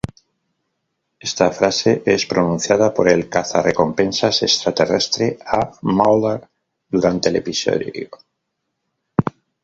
Esta frase es pronunciada por el cazarrecompensas extraterrestre a Mulder durante el episodio.